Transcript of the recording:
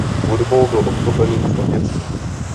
Hudbou byl obklopený už od dětství.